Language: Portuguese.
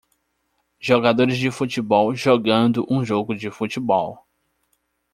Jogadores de futebol jogando um jogo de futebol.